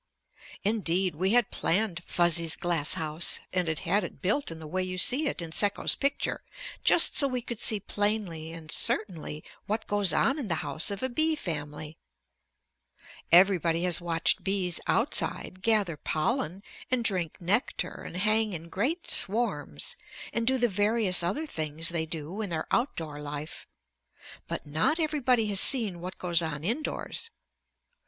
Indeed we had planned Fuzzy's glass house and had had it built in the way you see it in Sekko's picture just so we could see plainly and certainly what goes on in the house of a bee family. Everybody has watched bees outside gather pollen and drink nectar and hang in great swarms, and do the various other things they do in their outdoor life. But not everybody has seen what goes on indoors.